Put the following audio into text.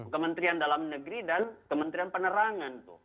kementerian dalam negeri dan kementerian penerangan